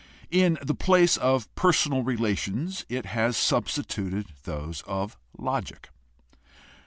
In the place of personal rela tions it has substituted those of logic.